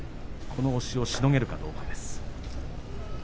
この押しをしのげるかどうかです。